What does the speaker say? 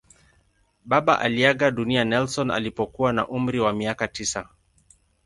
Baba aliaga dunia Nelson alipokuwa na umri wa miaka tisa.